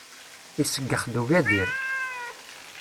Iseggex d ugadir.